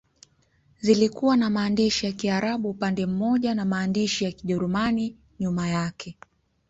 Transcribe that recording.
Zilikuwa na maandishi ya Kiarabu upande mmoja na maandishi ya Kijerumani nyuma yake.